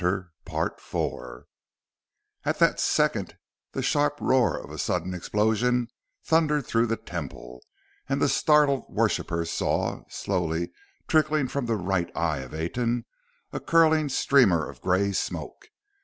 At that second the sharp roar of a sudden explosion thundered through the Temple, and the startled worshippers saw, slowly trickling from the right eye of Aten, a curling streamer of gray smoke.